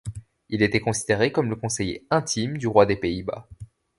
Il était considéré comme le conseiller intime du roi des Pays-Bas.